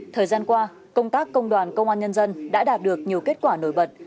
thời gian qua công tác công đoàn công an nhân dân đã đạt được nhiều kết quả nổi bật